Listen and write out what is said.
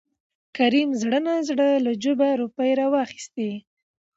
کريم زړه نازړه له جوبه روپۍ راوېستې.